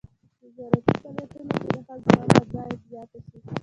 د زراعتي فعالیتونو کې د ښځو ونډه باید زیاته شي.